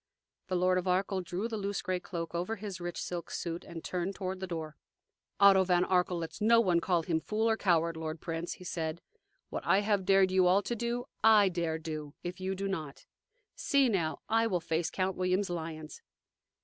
The Lord of Arkell drew the loose gray cloak over his rich silk suit, and turned toward the door. "Otto von Arkell lets no one call him fool or coward, lord prince," he said. "What I have dared you all to do, I dare do, if you do not. See, now: I will face Count William's lions!"